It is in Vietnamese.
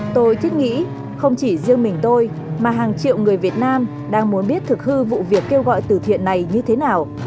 tôi thiết nghĩ không chỉ riêng mình tôi mà hàng triệu người việt nam đang muốn biết thực hư vụ việc kêu gọi từ thiện này như thế nào